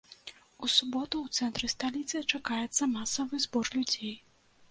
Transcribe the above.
У суботу ў цэнтры сталіцы чакаецца масавы збор людзей.